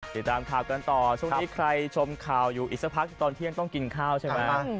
ติดตามข่าวกันต่อช่วงนี้ใครชมข่าวอยู่อีกสักพักตอนเที่ยงต้องกินข้าวใช่ไหม